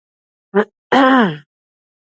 د افغانستان ولايتونه د افغانستان د شنو سیمو ښکلا ده.